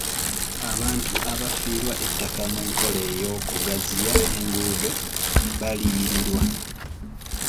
Abantu abafiirwa ettaka mu nkola ey'okugaziya enguudo baliyirirwa.